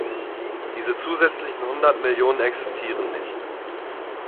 Diese zusätzlichen Hundert Millionen existieren nicht.